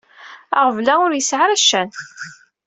Aɣbel-a ur yesɛi ara ccan.